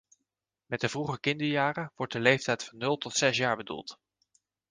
Met vroege kinderjaren wordt de leeftijd van nul tot zes jaar bedoeld.